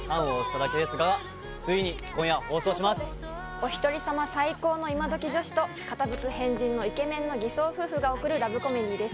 おひとり様最高のイマドキ女子と堅物変人のイケメンの偽装夫婦がおくるラブコメディーです